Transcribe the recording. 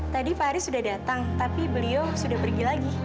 tadi pak aris sudah datang tapi beliau sudah pergi lagi